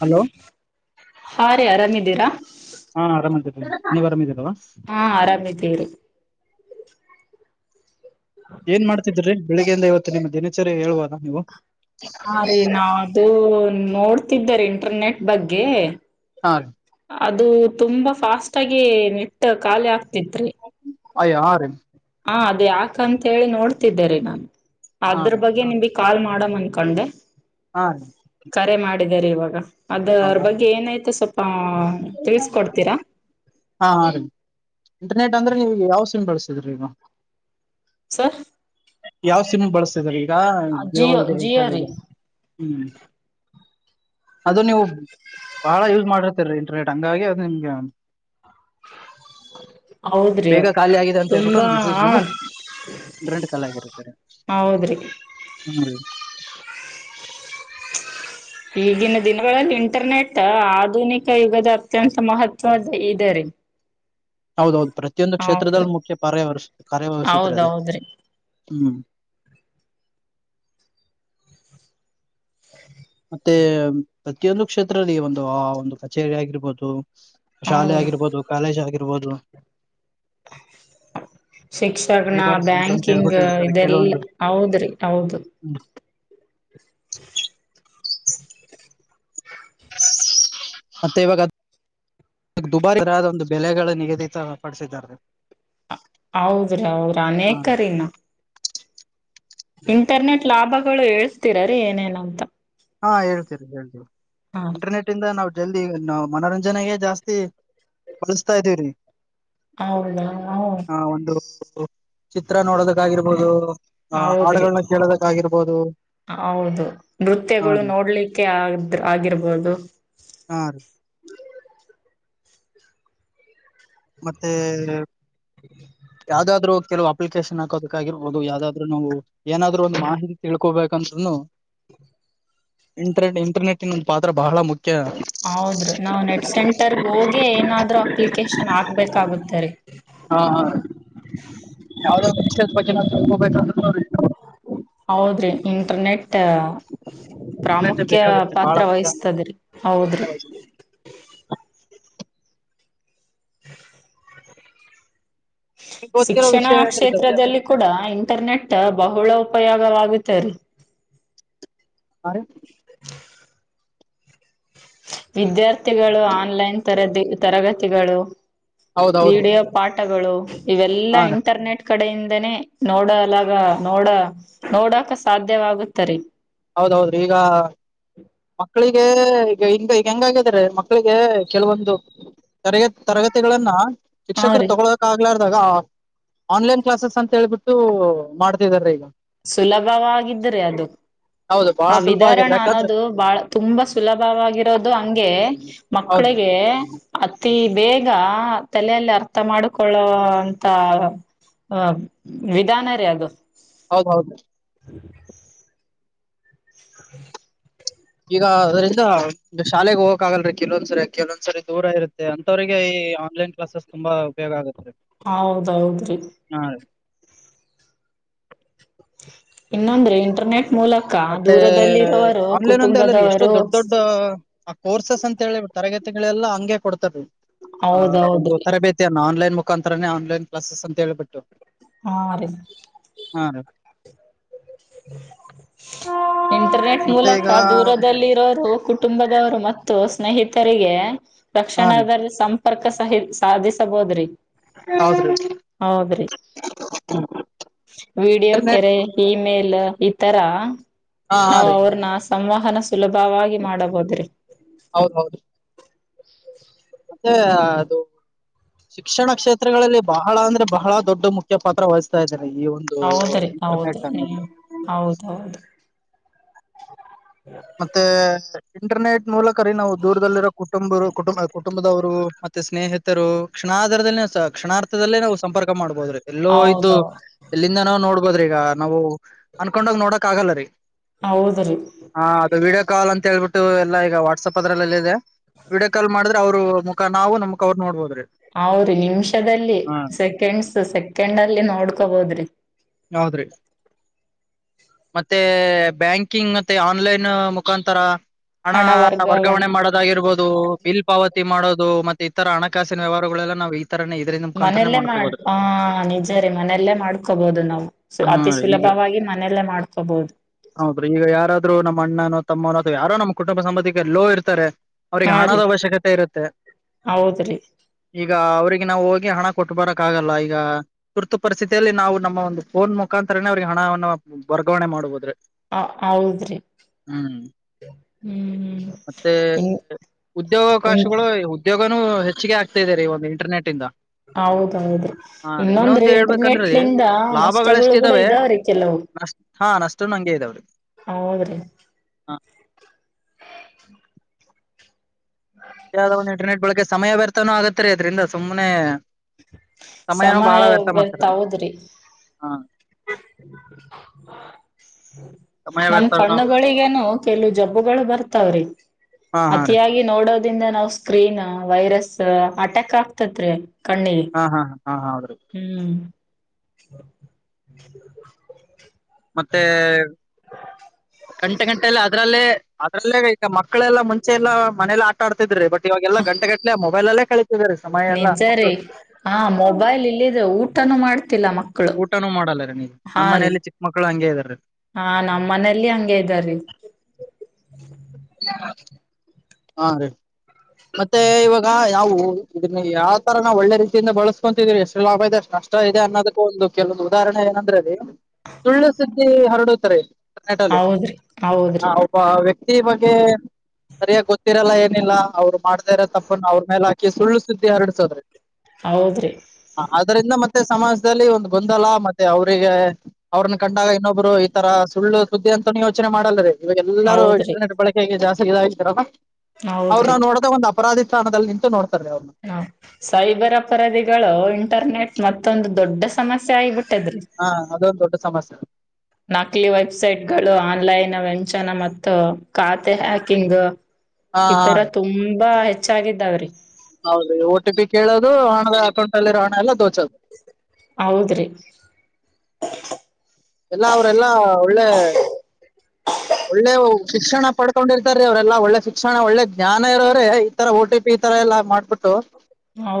Hello ಇದರ ಹಾ ಆರಾಮ್ದೀರರಿ ನೀವ್ ಆರಾಮಿದಿರಲ್ವಾ ಹಾ ಆರಾಮಿದ್ದೇರಿ ಏನ್ ಮಾಡ್ತಿದ್ರಿ ಬೆಳಿಗ್ಗೆಯ ಇವತ್ತು ಮ ನಿಮ್ಮ ದಿನಚರಿ್ಯ ಹ ಹೇಳುವಾರಾ ನೀವು ಹಾ ರೀ ನಾವದು ನೋಡ್ ರಿ ಇಂಟರ್ನೆಟ್ ಬಗ್ಗೆ ಹಾ ಅದು ತುಂಬಾ ಫಾಸ್ಟ್ ಆಗಿ ಮೆಟ್ಟ ಖಾಲಿ ಹಕ್ ಪತ್ರರಿ ಅಯ ಹ ರೀ ಹಾ ಅದ ಯಾಕಂತ ಹೇಳಿ ನೋಡ್ತಿದ್ದೇರಿ ನಾನು ಹಾ ಅದ್ರ ರೀ ಬಗ್ಗೆ ನಿಮ್ಿ ಕಾಲ್ ಮಾಡಮ ಅನ್ಕೊಂಡೆ ಹನು ಕರೆ ಮಾಡಿದಿದ್ದಾರೆ ಇವಾಗ ಅದ್ರ ಬಗ್ಗೆ ಏನಾಯತು ಸ್ವಲ್ಪ ತಿಳ್ಸ್ಕೊಡ್ತೀರಾ ಹಾ ಆ ಇಂಟರ್ನೆಟ್ ಅಂದ್ರೆ ನೀವಗೆ ಯಾವ ಸಮ್ ಬಳಸ್ತೀ ರಿದ್ರ ಸರ್ ಯಾವ್ ಸಿಮಿ ಬಳಸ್ತಾರೆ ಈಗ ಹಾ ದವ ಜಿಯೋ ಇದೆ ಜಿಯೋ ರೀ ಹ್ಮ್ ಅದು ನೀವು ಬಹಳ ಯೂಸ್ ಮಾಡಿ ಸರಿ ರೇಟ್ ಹಂಗಾಗಿ ಅದು ನಿಮ್ಗೆ ಹೌದ್ರಿ ಬೇಗ ಅದು ಖಾಲಿ ಆಗಿದೆ ಅಂತ ಹೇಳ್ಬಿಟ್ಟು ತುಂಬಾ ಒಂದು ಮೆಸೇಜ್ ಹಾ ಬಂದುಟ ಖಾಲಿ ಆಗಿರುತ್ತ ರ ಹೌದ್ರಿ ಹ್ಮ್ ಈಗಿನ ದಿನಗಳಲ್ಲಿ ಇಂಟರ್ನೆಟ್ ಆಧುನಿಕ ಯುಗದ ಅತ್ಯಂತ ಮಹತ್ವದ ಇದೆ ರೀ ಹೌದೌದು ಪ್ರತಿಯೊಂದು ಹೌದ್ರಿ ಕ್ಷೇತ್ರದಲ್ಲಿ ಮುಖ್ಯ ಕಾರ್ಯವ್ಯ ಕಾರ್ಯವ್ಯವಸ್ಥಿತ ಅದೆ ಹೌದೌದ್ರಿ ಹ್ಮ ಹ ಮತ್ತೆ ಪ್ರತಿಯೊಂದು ಕ್ಷೇತ್ರದಲ್ಲಿ ಒಂದು ಆ ಒಂದು ಕಚೇರಿ ಆಗಿರ್ಬೋದು ಶಾಲೆ ಹೌದು ಆಗಿರ್ಬೋದು ಕಾಲೇಜ್ ಆಗಿರ್ಬೋದು ಶಿಕ್ಷಣ ಸೈಬರ್ ಸೆಂಟರ್ ಅಂತ ಬ್ಯಾಂಕಿಂಗ್ ಹೇಳ್ಬಿಟ್ಟು ಹೇಳ್ತಾರೆ ಕೆಲವೊಂದು ಇದೆಲ್ಲಾ ಹೌದ್ರಿ ಹೌದು ಹ್ಮ್. ಮತ್ತೆ ಇವಾಗ ದುಬಾರಿ ಒಂದು ಬೆಲೆಗಳ ನಿಗದಿತ ಪಡಿಸಿದ್ದಾರೆ ಹೌದ್ರಿ ಅವೌದ್ರ ಹ್ಮ್. ಅನೇಕರಿನ ಇಂಟರ್ನೆಟ್ ಲಾಭಗಳು ಹೇಳ್ತೀರಾ ರೀ ಏನೇನಂತ ಹಾ ಹೇಳ್ತೀವಿ ಹೇಳ್ತಿವಿ ಹಾ ಇಂಟರ್ನೆಟ್ ಇಂದ ನಾವವು ಜಲ್ದಿ ನ ಮನೋರಂಜನೆಗೆ ಜಾಸ್ತಿ ಕಳಸ್ತಾ ಇದ್ದೀವ್ರಿ ಹೌದಾ ಹ ಚಿತ್ರ ನೋಡೋದಕ್ಕಾಗಿರ್ಬೋದು ಹ ಹೌದ್ರಿ ಹಾಡುಗಳನ್ನ ಕೇಳದ ಗಿರ್ಬೋದು ಹೌದು ನೃತ್ಯಗಳು ನೋಡ್ಲಿಕ್ಕೆ ಆದ ಆಗಿರ್ಬೋದು ಹಾ ರೀ ಮತ್ತೆ ಹ್ಮ ಯಾವ್ದಾದ್ರು ಕೆಲವು ಅಪ್ಲಿಕೇಶನ್ ಹಾಕೋದಕ್ಕಾಗಿರ್ಬಹುದು ಯಾವ್ದಾದ್ರು ನಾವು ಏನಾದ್ರು ಒಂದು ಮಾಹಿತಿ ತಿಳ್ಕೋಬೇಕಂದ್ ಇಂಟರ್ನೆ ಇಂಟರ್ನೆಟ್ ಇನ್ ಒಂದು ಪಾತ್ರ ಬಹಳ ಮುಖ್ಯ ಹೌದ್ರು ನಾವ್ ನೆಟ್ ಸೆಂಟರ್ಗ್ ಹೋಗಿ ಏನಾದ್ರು ಅಪ್ಲಿಕೇಶನ್ ಆ ಆಗ್ಬೇಕಾಗುತ್ತಾರೆ ಯಾವ. ಪ ನ. ಹೌದ್ರಿ ಇಂಟರ್ನೆಟ್. ಬ ಇಂಟರ್ನೆಟ್ ಪ್ರಾಮುಖ್ಯ ಬೇಕಾಗುತ್ತೆ ಬಹಳ ಪಾತ್ರ ಮುಖ್ಯ ಅನ್ಬೋದು ವಹಿಸತದ್ರಿ ಹೌದ್ರಿ. ನಿಮ್ಗ್ ಗೊತ್ತಿರೋ ಶಿಕ್ಷಣ ವಿಷಯ ಏನಾದ್ರು ಇದಾವ್ರಿ ಅದ್ರ ಕ್ಷೇತ್ರದಲ್ಲಿ ಕೂಡ ಇಂಟರ್ನೆಟ್ ಬಹುಳ. ಉಪಯೋಗವಾಗುತ್ತ ರಿ. ಹ್ಹ್ ರಿ. [inaudible] ವಿದ್ಯಾರ್ಥಿಗಳು ಆನ್ಲೈನ್ ತರ ತರಗತಿಗಳು. ಹೌದೌದ್ರಿ ವಿಡಿಯೋ ಪಾಠಗಳು. ಇವೆಲ್ಲಾ ಹಾ ರೀ ಇಂಟರ್ನೆಟ್ ಕಡೆಯಿಂದ. ಇಂದಾನೆ ನೋಡಲಗ ನೋಡ ನೋಡಕ ಸಾಧ್ಯವಾಗುತ್ತರಿ. ಹೌದು ದ್ರಿ ಈಗ. ಮಕ್ಕಳಿಗೆ ಈಗ ಹಂಗ ಈಗ ಹೆಂಗಾಗಿದ್ದಾರೆ ಮಕ್ಕಳಿಗೆ ಕೆಲವೊಂದು ತರಗ ತರಗತಿಗಳನ್ನ. ಹಾ ಶಿಕ್ಷಕರು ರೀ ತಗೋಳಕ್ಕೆ ಆಗಲಾರದ. ಆನ್ಲೈನ್ ಕ್ಲಾಸಸ್ ಅಂತ ಹೇಳ್ಬಿಟ್ಟು ಮಾಡ್ತಿದಾರೀ ಈಗ. ಸುಲಭವಾಗಿದ್ರೆ ಅದು. ಹೌದು ಬಾಳ ಆ ಸುಲಭ ವಿದರಣ ಆಗಿದ್ರೆ ಯಾಕಂದ್ರೆ. ಅನ್ನೋದು ಬಾಳ ತುಂಬಾ ಸುಲಭವಾಗಿರೋದು ಹಂಗೆ. ಹೌದ್ರಿ ಮಕ್ಕಳಿಗೆ. ಅತಿ ಬೇಗ ತಲೆಯಲ್ಲಿ ಅರ್ಥ ಮಾಡಿಕೊಳ್ಳುವಂತ ವಿಧಾನ ರಿ ಅದು. ಹೌದೌದು. ಹ್ಮ. ಈಗ ಅದರಿಂದ ಶಾಲೆಗೆ ಹೋಗಕಕ್ ಆಗಲ್ರೀ ಕೆಲವೊಂದ್ಸರಿ ಕೆಲವೊಂದ್ಸರಿ ದೂರ ಇರುತ್ತೆ ಅಂತವ್ರಿಗೆ ಈ ಆನ್ಲೈನ್ ಕ್ಲಾಸಸ್ ತುಂಬಾ ಉಪಯೋಗ ಆಗುತ್ತೆ. ಹ ಹೌದೌದ್ರಿ. ರೀ ಇನ್ನೊಂದ್ರೆ ಇಂಟರ್ನೆಟ್. ಮೂಲಕ ಮತ್ತೆ ದೂರದಲ್ಲಿರೋವರು ಆನ್ಲೈನ್ ಒಂದೇ ಅಲ್ಲರಿ ಎಷ್ಟೋ ಕುಟುಂಬದವರು. ದೊಡ್ಡ ದೊಡ್ಡ ಆ ಕೋರ್ಸಸ್ ಅಂತ ಹೇಳಿ ತರಗತಿಗಳೆಲ್ಲಾ ಹಂಗೆ ಕೊಡ್ತದವಿ ರಿ. ಹ ಒಂದು ಹೌದೌದ್ರಿ ತರ ಬೇತಿ ಅನ್ನ ಆನ್ಲೈನ್. ಮುಖಾಂತರನ ಆನ್ಲೈನ್ ಕ್ಲಾಸಸ್ ಅಂತೇಳ್ಬಿಟ್ಟು. ಹಾ ರಿ. ಇಂಟರ್ನೆಟ್ ಮತ್ತೆ ಮೂಲಕ ಈಗ ದೂರದಲ್ಲಿ ಇರೋರು ಕುಟುಂಬದವರು ಮತ್ತೆ. ಸ್ನೇಹಿತರಿಗೆ. ಹಾ ರೀ ರಕ್ಷಣದಲ್ಲಿ ಸಂಪರ್ಕ. ಸಂಪರ್ಕ ಸಹಿ ಸಾಧಿಸಬೋದ್ರಿ. ಹೌದ್ರೀ ಹಾ ವಿೀಡಿಯೋ ಕೆರೆ ಇಮೇಲ್ ಈಥರ ಹಾ ಹಾ ನಾ ರೀ ಅವ್ರ ನಾಸ್ತಿ ಸಂವಹನ ಸುಲಭವಾಗಿ ಮಾಡಬೋದ್ರಿ ಹೌದ್ ಹೌದು ಮತ್ತೆ ಅದು ಶಿಕ್ಷಣ ಕ್ಷೇತ್ರಗಳಲ್ಲಿ ಬಹಳ ಅಂದ್ರೆ ಬಹಳ ದೊಡ್ಡ ಮುಖ್ಯ ಪಾತ್ರ ವಹಿಸ್ತಾ ಇದೆ ಹೌದ್ರೀ ಹೌದರಿ ಹೌದೌದು ಮತ್ತೆ ಇಂಟರ್ನೆಟ್ ಮೂಲಕ ರಿ ನಾವು ದೂರದಲ್ಲಿರೋ ಕುಟುಂಬ ಕುಟುಂಬ ಕುಟುಂಬದವರು ಮತ್ತೆ ಸ್ನೇಹಿತರು ಕ್ಷಣಾಧಾರದಲ್ಲಿ ಕ್ಷಣಾರ್ಥದಲ್ಲೇ ನಾವು ಸಂಪರ್ಕ ಮಾಡ್ಬೋದ್ರೀ ಎಲ್ಲೋ ಆಯ್ತು ಹೌದೌ ಎಲ್ಲಿಂದ ನಾವವು ನೋಡ್ಬೋದ್ರಿ ಈಗ ನಾವು ಅನ್ಕೊಂಡೋಗ್ ನೋಡಕ್ ಆಗಲ್ಲರಿ ಹೌದ್ರಿ ಅದು ವ ವಿಡಿಯೋ ಕಾ ಅಂತೇಳ್ಬಿಟ್ಟು ಎಲ್ಲ ಈಗ ವಾಟ್ಸಆಪ್ ಅದ್ರಲ್ಲ ಇದೆ ವಿಡಕಾಲ್ ಮಾಡ್ದ ಅವರು ಮುಖ ನಾವು ನಮಕ್ ಅವ್ರು ನೋಡ್ಬೋದ್ರೀ ಹೌ್ರಿ ನಿಮಿಷದಲ್ಲಿ ಸೆಕೆಂಡ್ಸ್ ಸೆಕೆಂಡ್ ಅಲ್ಲಿ ನೋಡ್ಕೋಬೋದ್ರಿ ಹೌದಿ ಮತ್ತೆ ಬ್ಯಾಂಕಿಂಗ್ ಮತ್ತೆ ಆನ್ಲೈನ್ ಮುಖಾಂತರ ಹಣ ವರ್ಗಾವಣೆ ಮಾಡೋದಾಗಿರ್ಬೋದು ಹೌದು ಬಲ್ ಪಾವತಿ ಮಾಡೋದು ಮತ್ತೆ ಇತರ ಹಣಕಾಸಿನ ವ್ಯವಹಾರಗಳೆ ನವು ಮನೆಯಲ್ಲೇ ಮಾಡ ಆ ನಿಜ ರೇ ಮನೆಯಲ್ಲೇ ಮಾಡ್ಕೊಬುದು ನಾವು ಹಾ ಅತಿ ರೀ ಈಗ ಸುಲಭವಾಗಿ ಮನೆಯಲ್ಲೇ ಮಾಡ್ಕೋಬಹುದು ತಮ್ಮ ಅಥವಾ ಯಾರೋ ನಮ್ಮ ಕುಟುಂಬ ಸಂಬಧಕ್ಕೆಿಗೆ ಲೋ ಇರ್ತಾರೆ ಅವ್ರಿಗೆ ಹಾ ಹಣದ ರೀ ಅವಶ್ಯಕತೆ ಇರುತ್ತೆ ಹೌದ್ರಿ ಈಗ ಅವ್ರಿಗೆ ನಾವು ಹೋಗಿ ಹಣ ಕೊಟ್ಟ ಬರಕ್ ಆಗಲ್ಲ ಈಗ ತುರ್ತು ಪರಿಸ್ಥಿತಿಯಲ್ಲಿ ನಾವು ನಮ್ಮ ಒಂದು ಫೋನ್ ಮುಖಾಂತರನೇ ಅವ್ರಿಗೆ ಹಣವನ್ನು ವರ್ಗಾವಣೆ ಮಾಡಬಹ್ರೆ ಹ ಹೌದ್ರಿ ಹ್ಮ್ ಮತ್ತೆ ಉದ್ಯೋಗಾವಕಾಶಗಳು ಉದ್ಯೋಗನೂ ಹೆಚ್ಚಿಗೆ ಆಗ್ತಾ ಇದ ರ ಈ ಒಂದು ಇಂಟರ್ನೆಟ್ ಇಂದ ಹೌದೌದು ಇನ್ನೊಂದ್ರೆ ಇಂಟರ್ನೆಟ್ ನಿಂದ ಲಾಭಗಳೆಷ್ಟಿದ್ದಾವೆ ನಷ್ಟ ಹಾ ನಷ್ಟ ಹಂಗೆ ಇದಾವ್ರಿಗೆ ಹೌದ್ರಿ ಹಾ ಯಾವದ ಒ ಇಂಟರ್ನೆಟ್ಳಕ ಸಮಯ ವ್ಯರ್ಥನೂ ಆಗತ್ತರಿ ಅದರಿಂದ ಸುಮ್ಮನೆ ಸಮಯ ವರ್ತ ಅದ್ರ ಹೌದ್ರಿ ಹಾ ಸಮಯ [unintelligible] ನಮ ವ್ಯರ್ಥನು ಆಗುತ್ತೆ ಕಣ್ಣುಗಳಿಗನು ಕೆಲವು ಜಬ್ಬುಗಳು ಬರ್ತಾವ್ರಿ ಹಾ ಹಾ ರೀ ಅತಿಯಾಗಿ ನೋಡೋದಿಂದ ನಾವ್ ಸ್ಕ್ರೀನ್ ವೈರಸ್ ಅಟ್ಯಾಕ್ ಆಗ್ತತ್ ರೀ ಕಣ್ಣ ಹಾ ಹಾ ಹಾ ಹೌದ್ರೀ [inaudible] ಮತ್ತೆ ಗಂಟೆ ಗಂಟಲ್ಲ ಅದ್ರಲ್ಲೇ ಅದ್ರಲ್ಲೇ ಈಗ ಮಕ್ಕಳೆಲ್ಲ ಮುಂಚೆ ಎಲ್ಲಾ ಮನೇಲಿ ಆಾ ಆಡ್ತಿದ್ರಿ ಬಟ್ ಇಗೆಲ್ಲ ಗಂಟೆಟ್ಟಲೆ ಬಾಲಲ್ಲ ಕಳಿ ನಿಜ ರೀ ಆ ಹಾ ಮೊಬೈಲ್ ಇಲ್ಲಿದೆ ಊಟನು ಮಾಡ್ತಿಲ್ಲ ಮಕ್ಕ ಮಕ್ಕಳು ಊಟನೂ ಮಾಡಲ್ಲ ರೀ ನೀವು ಹಾ ನಮ್ ರೀ ಮನೇಲಿ ಚಿಕ್ಕ ಮಕ್ಕಳು ಹಂಗೆ ಇದಾರೆ ಹಾ ನಮ್ಮ ಮನೇಲಿ ಹಂಗಗೆ ಇದ್ದಾರೀ [inaudible] ಹಾ ರೀ ಮತ್ತೆ ಇವಾಗ ಯಾವವು ಇದನ್ನ ಯಾವ್ ತರ ನಾವು ಒಳ್ಳೆ ರೀತಿಂದ ಬಳಸ್ಕೊತಿದೀರಿ ಎಷ್ಟು ಲಾಭ ಇದೆಷ್ಟೆ ನಷ್ಟ ಇದೆ ಅನ್ನದಕ್ಕ ಒಂದು ಕೆಲೊಂದು ಉದಾಹರಣೆ ಏನಂದ್ರೆ ಅಲ್ಲಿ ಸುಳ್ಳು ಸುದ್ದಿ ಹರಡ ಸ ಟ ಲ್ಲೀ ಹೌದ್ರಿ ಹೌದ್ರಿ ಒಬ್ಬ ವ್ಯಕ್ತಿ ಬಗ್ಗೆ ಸರಿಯಾಗಿ ಗೊತ್ತ ಹತ್ತಿರಲ್ಲ ಏನಿಲ್ಲ ಅವ್ರು ಮಾಡ್ದಿದಾರ ತಪ್ಪನ ಅವ್ರ ಮೇಲೆ ಹಾಕಿ ಸುಳ್ಳು ಸುದ್ದಿ ಹರಡ್ಸೋದ್ರಿ ಹೌದ್ರಿ ಹ ಅದರಿಂದ ಮತ್ತೆ ಮತ್ತೆ ಸಮಾಜದಲ್ಲಿ ಒಂದು ಗೊಂದಲ ಮತ್ತೆ ಅವ್ರರಿಗೆ ಅವ್ರನ್ನ ಕಂಡಾಗ ಇನ್ನೊಬ್ರು ಈ ತರ ಸುಳ್ಳು ಸುದ್ದಿ ಅಂತನ ಯೋಚನೆ ಮಾಡಲ್ಲ ರೀ ಇವಾಗ ಎಲ್ಲರ ಹೌದ್ರಿ ಇಂಟರ್ನೆಟ್ ಬಳಕೆಗೆಗೆ ಜಾಸ್ತಿ ತರ ಅವ್ರರು ನಾವವು ನೋಡಕ ಒಂದ್ ಅರಾಧ ಸ್ಥಾನದಲ್ಲಿ ನಿಂತ ನೋ ಹಾ ಸೈಬರ್ ಅಪರಾಧಿಗಳು ಇಂಟರ್ನೆಟ್ ಮತ್ತೊಂದು ದೊಡ್ಡ ಸಮಸ್ಯೆ ಆಗಿಬಿಟ್ಟು ಹಾ ಅದೊಂದು ದೊಡ್ಡ ಸಮಸ್ಯೆ ನಕಲಿ ವೆಬ್ಸೈಟ್ ಗಳು ಆನ್ಲೈನ್ ವ್ಯಂಚನ ಮತ್ತು ಖಾತೆ ಹ್ಯಾಕಿಂಗ್ ಹಾ ಈ ಹಾ ತರ ರೀ ತುಂಬಾ ಹೆಚ್ಚಾಗಿದ್ದಾವ್ರೀ ಹೌದ್ರಿ ಓ ಟಿ ಪಿ ಕೇಳೋದು ಹಣದ ಅಕೌಂಟ್ ಅಲ್ಲಿರೋ ಹಣ ಎಲ್ಲ ದೋಚೋದು ಹೌದ್ರಿ ಎಲ್ಲಾ ಅವರೆಲ್ಲಾ ಒಳ್ಳೆ ಒಳ್ಳೆ ಶಿಕ್ಷಣ ಪಡ್ಕೊಂಡಿರ್ತಾರೀ ಅವ್ರೆಲ್ಲಾ ಒಳ್ಳೆ ಶಿಕ್ಷಣ ಒಳ್ಳೆ ಜ್ಞಾನ ಇರೋರೆ ಈ ತರ ಓ ಟಿ ಪಿ ಈ ತರ ಎಲ್ಲಾ ಮಾಡ್ಬಿಟ್ಟು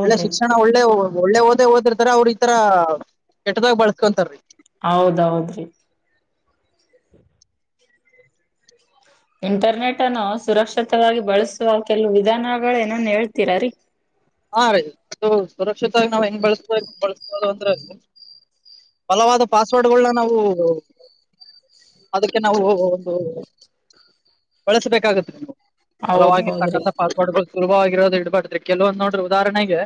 ಒಳ್ಳೆ ಶಿಕ್ಷಣ ಒಳ್ಳೆ ಒಳ್ಳೆ ಓದೇ ಓದಿರ್ತಾರ ಅವ್ರ ಈತರ ಕೆಟ್ಟದಾಗ ಬಳಸ್ಕೊಂತಾರೀ ಹೌದೌದ್ರಿ ಇಂಟರ್ನೆಟ್ ಅನ್ನು ಸುರಕ್ಷಿತವಾಗಿ ಬಳಸುವ ಕೆಲವು ವಿಧಾನಗಳ ಏನನ್ ಹೇಳ್ತೀರ ರೀ ಹಾರಿ ಸುರಕ್ಷಿತವಾಗಿ ನಾವ ಹೆಂಗ್ ಬಳಸ್ಬೆಕು ಬಳಸೋದು ಅಂದ್ರೆ ಫಲವಾದ ಪಾಸ್ವರ್ಡ್ಗಳನ್ನ ನಾವು ಅದಕ್ಕೆ ನಾವು ಒಂದು ಬಳಸಬೇಕಾಗತ್ತೆ ನೀವು ಹೌದೌದ್ರಿ ಫಲವಾಗಿರ್ತಕ್ಕಂಥ ಪಾಸ್ವರ್ಡ್ಗಳು ಸುಲಭವಾಗಿರೋದು ಇಡ್ಬಾರ್ದ್ ರೀ ಉದಾಹರಣೆಗೆ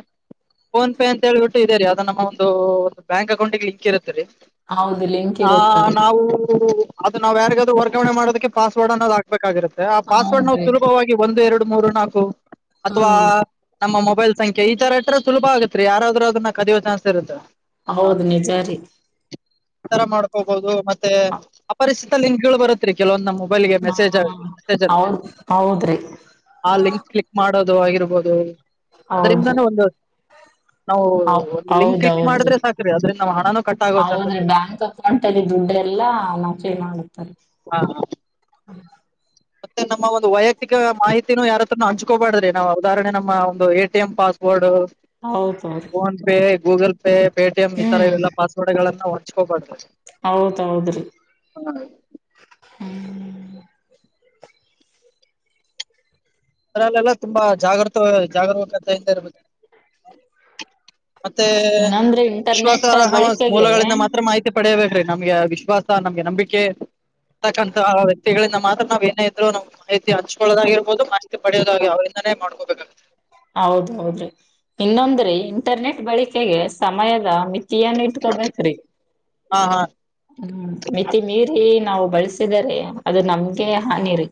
ಫೋನ್ ಪೇ ಅಂತ ಹೇಳ್ಬಿಟ್ಟು ಇದೆೇ ರೀ ಅದು ನಮ್ಮ ಒಂದು ಒಂದು ಬ್ಯಾಂಕ್ ಅಕೌಂಟ್ಗೆ ಲಿಂಕ್ ಇರುತ್ತೆ ರಿ ಹೌದು ಲಿಂಕ್ ಇರುತ್ತ ರಿ ಅದು ನಾವ ಯಾರಿಗಾದ್ರೂ ವರ್ಗಾವಣೆ ಮಾಡೋದಕ್ಕೆ ಪಾಸ್ವರ್ಡ್ ಅನ್ನೋದು ಹಕ್ಬೇಕಾಗಿರುತ್ತೆ ಆ ಪಾಸ್ವರ್ಡ್ ನಾವು ಹೌದ್ರಿ ಸುಲಭವಾಗಿ ಒಂದ್ ಎರಡು ಮೂರು ನಾಲ್ಕು ಅಥವಾ ಹ್ಮ್ ನಮ್ಮ ಮೊ ಮೊಬೈಲ್ ಸಂಖೆ ಈ ತರ ಇಟ್ರೆ ಸುಭ ಆಗತ್ರಿ ಯಾರಾದ್ರ ಅದನ್ನ ಕದಿಯೋ ಚನ್ಸ್ರುತ್ತೆ ಹೌದ ನಿಜಾರಿ ಈ ತರ ಮಾಡ್ಕೋಬಹುದು ಮತ್ತೆ ಅಪರಿಚಿತ ಲಿಂಕ್ಗಳು ಬರುತ್ತರಿ ಕೆಲವೊಂದ್ ನಮ್ಮ್ ಮೊಬೈಲ್ಗೆ ಹ ಮೆಸೇಜ್ ಆಗಿ ಹೌದ್ ಹೌದ್ರಿ ಆ ಲಿಂಕ್ ಕ್ಲಿಕ್ ಮಾಡೋದು ಅದು ಆಗಿರ್ಬಹದು ಅದರಿಂದಾನೂ ಒಂದು ನಾವು ಹ ಒಂದು ಲಿಂಕ್ ಕ್ಲಿಕ್ ಹೌದೌದ್ರಿ ಮಾಡಿದ್ರೆ ಸಾಕ್ರಿ ಅದರಿಂದ ನಮ್ಮ ಹಣನೂ ಕಟ್ ಆಗೋ ಚಾನ್ಸಸ್ ಹೌದ್ರಿ ಇದೆ ಬ್ಯಾಂಕ್ ಅಕೌಂಟ್ ಅಲ್ಲಿ ದುಡ್ಡ ಎಲ್ಲಾ ನಫೆ ಮಾಡುತ್ತಾರೆ ಹಾ ಹ್ಮ ಮತ್ತೆ ನಮ್ಮ ಒಂದು ವೈಯಕ್ತಿಕ ಮಾಹಿತತಿನೂ ಯಾರತ್ರನ ಹಂಚ್ಕೋಬಾರದ್ರಿ ನಾವು ಉದಾಹರಣೆ ನಮ್ಮ ಒಂದು ಎ ಟಿ ಎಂ ಪಾಸ್ವರ್ಡ್ ಹೌದೌದು PhonePe Google pay Paytm ಈ ತರ ಹ್ಮ್ ಎಲ್ಲ ಪಾಸ್ವರ್ಡ್ ಗಳನ್ನು. ಹೋಚಿಕೊ ಗಾಡಿ. ಹೌದೌದ್ರಿ. ಉಮ್. ಅಲ್ಲೆಲ್ಲ ತುಂಬಾ ಜಾಗೃತ ಜಾಗರೂಕತೆಯಿಂದ ಇರಬೇಕು. ಮತ್ತೆ ಇನ್ನೊಂದ್ರೆ ಇಂಟರ್ನೆಟ್ ವಿಶ್ವಾಸಾರ್ಹ ಬಳಕೆಗೆ ಮೂಲಗಳಿಂದ ಮಾತ್ರ ಮಾಹಿತಿ ಪಡೆಯಬೇಕು. ನಮ್ಗೆ ವಿಶ್ವಾಸ ನಮ್ಗೆ ನಂಬಿಕೆ ತಕ್ಕಂತ ಗಳಿಂದ ಮಾತ್ರ ನಾವ್ ಏನ ಇದ್ರು ಹಂಚ್ಕೊಳ್ಳೋದಾಗಿರ್ಬಹದು. ಪಡೆಯೋದಾಗ ಅವ್ರಂದನೇ ಮಾಡ್ಕೋಬೇಕಾಗುತ್ತೆ. ಹೌದ ಹೌದ್ರಿ ಇನ್ನೊಂದ್ರಿ ಇಂಟರ್ನೆಟ್ ಬಳಿಕೆಗೆ ಸಮಯದ ಮಿತಿಯನ್ ಇಟ್ಕೋಬೇಕ್ರಿ. ಹಾ ಹಾ. ಹ್ಮ್ ಮಿತಿ ಮೀರಿ ನಾವು ಬಳಸಿದರೆ ಅದು ನಮ್ಗೆ ಹಾನಿರಿ.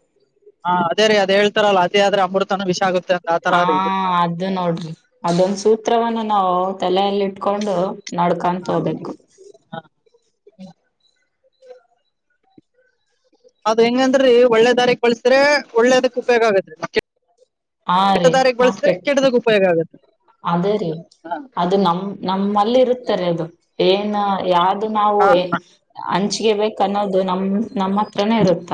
ಹಾ ಅದೇ ರೀ ಅದ ಹೇಳ್ತಾರಲ್ಲ ಅದೇ ಆದ್ರೆ ಅಮೃತನ ವಿಷಾಗ. ಹಾ ಅದು ನೋಡ್ರಿ ಅದೊಂದ ಸೂತ್ರವನ್ನು. ಹೌದುಲ ಇಲ್ಲಿ ಇಟ್ಕೊಂಡು ನಡಕೊಂತ ಇದು ಹೋಗಬೇಕು [inaudible] ಅದ್ ಹೆಂಗಂದ್ರೀ ಒಳ್ಳೆದಾರಿ ಬಳಸ್ರೆ ಒಳ್ಳೇದಕ್ ಉಪಯೋಗ ಆಗತೆ ಕೆಟ್ಟ. ಹಾ ರೀ ದಾರಿಗ್ ನಾಪ ಬಳಸಿದ್ರೆ ಕೆಟ್ಟದಕ್ ಉಪಯೋಗ ಆಗತ್ರಿ ಅದೇ ರೀ ಅದು ನಮ ನಮ್ಮಲ್ಲಿ ಇರುತ್ತಾರೆ ಅದು. ಏನ್ ಯಾರು ನಾವು ಹಾ ಎಕ್. ಬೇಕನ್ನೋದು ನಮ್ಮ. ನಮ್ಮ ಹತ್ರನೇ ಇರುತ್ತ.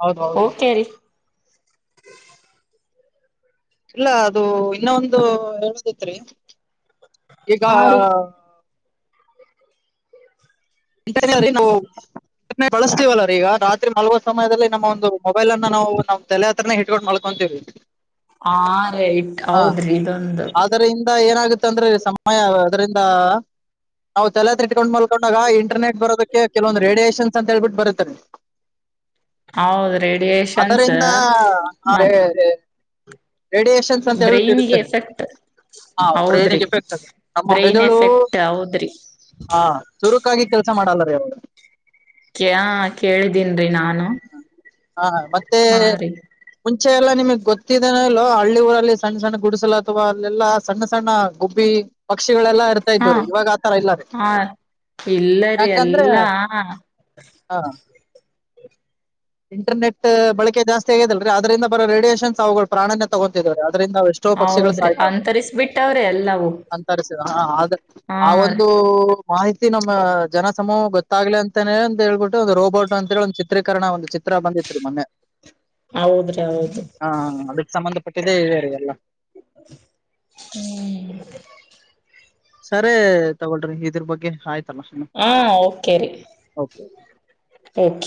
ಹೌದ ಹೌದ ಹೌದು. ಓಕೆ ರೀ [inaudible] ಇಲ್ಲ ಅದು ಇನ್ನ ಒಂದು ಹೇಳದೈತ್ರಿ. ಈಗ. ಹಾ ರೀ [unintelligible] ನಾವು ಬಳಸ್ತೀವಲ್ಲ ರೀ ಈಗ ರಾತ್ರಿ ಮಲ್ಗೋ ಸಮಯದಲ್ಲಿ ನಮ್ಮ ಒಂದು ಮೊಬೈಲ್ ಅನ್ನ ನಾವು ನಮ್ ತಲೆ ಹತ್ರನೇ ಇಟ್ಕೊಂಡು ಮಲ್ಕೊಂತೀವಿ. ಹಾ ರೇ ಇಟ್ ಹಾ ಹೌದ್ರಿ ಇದೊಂದು. ಇತ್ತು ಅಂದರೆ ಸಮಯ ಅದ್ದರಿಂದ ನಾವು ತಲೆತ್ರ ಇಟ್ಕೊಂಡ್ ಮಲ್ಕೊಂಡಾಗ. ಇಂಟರ್ನೆಟ್ ಬರೋದಕ್ಕೆ ಕೆಲವೊಂದು ರೇಡಿಯೇಷನ್ಸ್ ಅಂತ ಹೇಳ್ಬಿಟ್ಟು ಬರುತ್ತ ರೀ. ಹೌದ ರೇಡಿಯೇಶನ್ಸ್ ಅದರಿಂದ ನ. ರೇಡಿಯಷನ್ಸ್ ಅಂತ ಹಿರುತ್ತದೆ ಎಫೆಕ್ಟ್ ಹ ಹೌದ್ರಿ ಬ್ರೈನಗೆ ಎಫೆಕ್ಟ್ ಆಗ ನಮ್ಮ ಬ್ರೈನ್ ಮೆದುಳು ಎಫೆಕ್ಟ್ ಹೌದ್ರಿ ಹ ಚುರುಕಾಗಿ ಕೆಲಸ ಮಾಡಲ್ಲ. [unintelligible] ಕ ಕೇಳಿದೀನ್ರಿ ನಾನು ಹಾ ಮತ್ತೆ ಹಾ ರಿರಿ ಮುಂಚೆ ಎಲ್ಲ ನಿಮಗೆ ಗೊತ್ತ ಹಳ್ಳಿ ಊರಲ್ಲಿ ಸಣ್ಣ ಸಣ್ಣ ಗುಡಿಸಲು ಅಥವಾ ಅಲ್ಲಾ ಸಣ್ಣ ಸಣ್ಣ ಗುಬ್ಬಿ ಪಕ್ಷಿ ಇರ್ತಾ ಹಾ ಇದ್ವ್ರೀ ಇವಾಗ ಆತರ ಇಲ್ಲ ರ ಹಾ ಇಲ್ಲರಿ ಯಾಕಂದ್ರೆ ಎಲ್ಲಾ ಹ ಇಂಟರ್ನೆಟ್ ಬಳಕೆ ಜಾಸ್ತಿ ಆಗಿದೆಲ್ರರಿ ಅದ್ರಂದ ಬರೋ ರೇಡಿಯೇಷನ್ಸ್ ಅವುಗಳು ಪ್ರಾಣ ತಗೊತಿದ್ದಾರೆ ಅದ್ರಂದ ಎಷ್ಟೋ ಪಕ್ಷಿಗಳು ಹೌದ್ರಿ ಸಾಯ್ತಾ ಇದಾರೆ ಅಂತರಿಸ್ಬಿಟ್ಟವ್ರಿ ಎಲ್ಲವು ಅಂತ ಹ ಆದ ಹಾ ಆ ಒಂದು ರೀ ಮಾಹಿತಿ ತಿ ನಮ್ಮ ಜನ ಸಮಮೂಹ ಗೊತ್ತಾಗ್ಲಿ ಅಂತಾನೇ ಅಂತ ಹೇಳ್ಬಿಟ್ಟೆ ಒಂದು ರೋಬೋಟ್ ಅಂತಿ ಒ್ ಚಿತ್ರೀಕರಣ ಒಂದ ಚಿತ್ರ ಬಂದಿತ್ರಿ ಮೊನ್ನೆ ಹೌದ್ರಿ ಹೌದು ಹ ಅದಕ್ಕೆ ಸಂಬಂಧ ಕೊಟ್ಟ ಇ ಎಲ್ಲ ಹ್ಮ್ ಸರಿ ತಗೊಳ್ರಿ ಇದ್ರ ಬಗ್ಗೆ ಆಯ್ತು ಹಾ ಓಕೆ ರಿ ಓಕೆ ಚ್